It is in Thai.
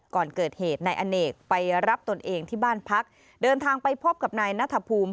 ก่อนเกิดเหตุนายอเนกไปรับตนเองที่บ้านพักเดินทางไปพบกับนายนัทภูมิ